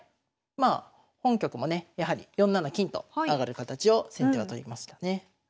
まあ本局もねやはり４七金と上がる形を先手は取りましたね。